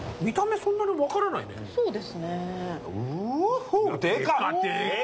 見た目そんなにわからないね？